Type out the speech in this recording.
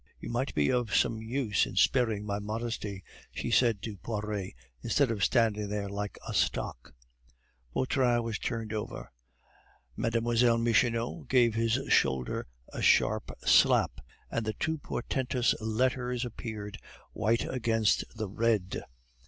You might be of some use in sparing my modesty," she said to Poiret, "instead of standing there like a stock." Vautrin was turned over; Mlle. Michonneau gave his shoulder a sharp slap, and the two portentous letters appeared, white against the red.